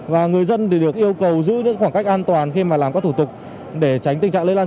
và người dân được yêu cầu giữ những khoảng cách an toàn khi mà làm các thủ tục để tránh tình trạng